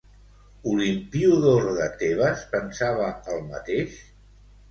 Olimpiòdor de Tebes pensava el mateix?